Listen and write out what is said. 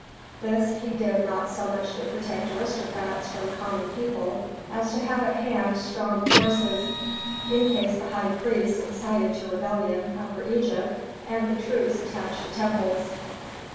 This he did not so much to protect aristocrats from common people as to have at hand strong forces in case the high priests incited to rebellion Upper Egypt and the troops attached to temples.